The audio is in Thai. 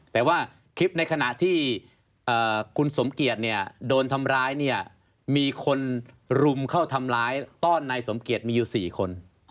แต่ว่าคลิปในขณะที่คุณสมเกียจโดนทำร้ายเนี่ยมีคนรุมเข้าทำร้ายต้อนนายสมเกียจมีอยู่๔คน